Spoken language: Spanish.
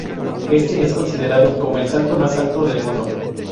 Este es considerado como el salto más alto del mundo.